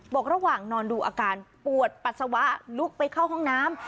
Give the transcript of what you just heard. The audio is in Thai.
บอกระหว่างนอนดูอาการปวดปัสสาวะลุกไปเข้าห้องน้ำ